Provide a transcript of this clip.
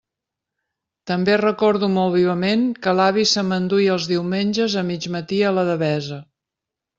També recordo molt vivament que l'avi se m'enduia els diumenges a mig matí a la Devesa.